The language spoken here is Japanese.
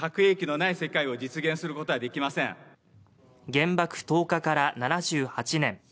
原爆投下から７８年。